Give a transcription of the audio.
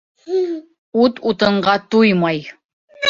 Ут утынға туймай.